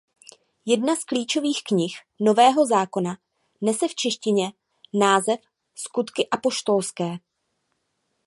Jedna z klíčových knih Nového zákona nese v češtině název Skutky apoštolské.